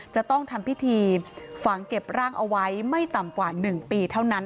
จะต้องทำพิธีฝังเก็บร่างเอาไว้ไม่ต่ำกว่า๑ปีเท่านั้น